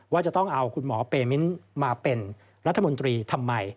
ว่าจะต้องเอาคุณหมอเปมิ้นมาเป็นรัฐมนตรีทำไม